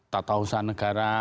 tata usaha negara